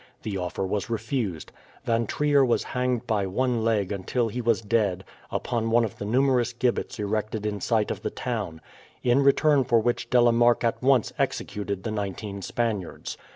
The offer was refused. Van Trier was hanged by one leg until he was dead, upon one of the numerous gibbets erected in sight of the town; in return for which De la Marck at once executed the nineteen Spaniards.